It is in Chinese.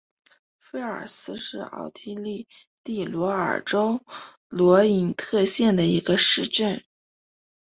菲尔斯是奥地利蒂罗尔州罗伊特县的一个市镇。